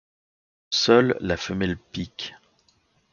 Seule la femelle pique.